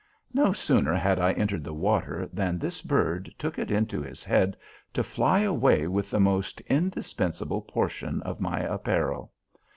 No sooner had I entered the water than this bird took it into his head to fly away with the most indispensable portion of my apparel.